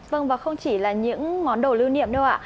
vâng và không chỉ là những món đồ lưu niệm đâu ạ